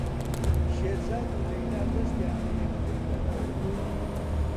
شێرزاد و لەیلا دەستیان لە یەکتر دەدا.